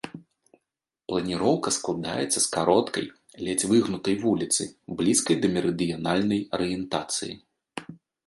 Планіроўка складаецца з кароткай, ледзь выгнутай вуліцы, блізкай да мерыдыянальнай арыентацыі.